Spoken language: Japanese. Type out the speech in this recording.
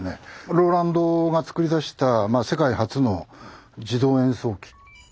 ローランドが作り出した世界初の自動演奏機。